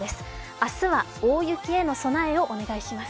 明日は大雪への備えをお願いします。